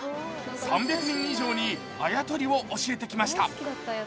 ３００人以上にあやとりを教えてきました。